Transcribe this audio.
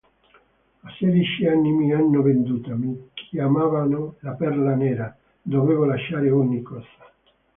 A sedici anni mi hanno venduta, mi chiamavano la perla nera, dovevo lasciare ogni cosa